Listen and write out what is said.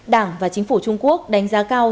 đảng và chính phủ trung quốc đánh giá cao